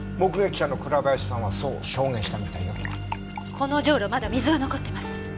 このジョウロまだ水が残ってます。